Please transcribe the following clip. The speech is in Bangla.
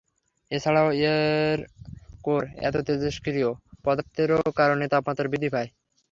এছাড়াও এর কোর এর তেজষ্ক্রিয় পদার্থের কারণেও তাপমাত্রা বৃদ্ধি পায়।